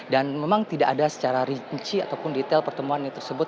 dan memang tidak ada secara rinci ataupun detail pertemuan itu tersebut